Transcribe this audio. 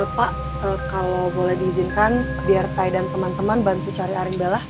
pak kalau boleh diizinkan biar saya dan teman teman bantu cari arindalah